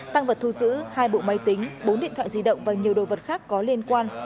tăng vật thu giữ hai bộ máy tính bốn điện thoại di động và nhiều đồ vật khác có liên quan